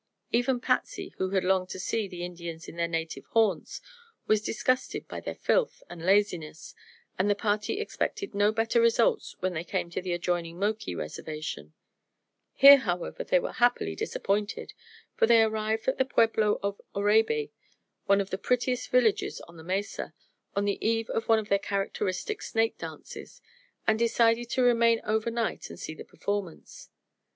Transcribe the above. Even Patsy, who had longed to "see the Indians in their native haunts," was disgusted by their filth and laziness, and the party expected no better results when they came to the adjoining Moki reservation. Here, however, they were happily disappointed, for they arrived at the pueblo of Oraibi, one of the prettiest villages on the mesa, on the eve of one of their characteristic snake dances, and decided to remain over night and see the performance.